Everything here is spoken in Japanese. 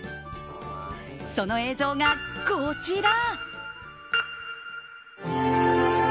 その映像がこちら。